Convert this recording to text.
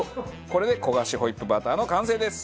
これで焦がしホイップバターの完成です。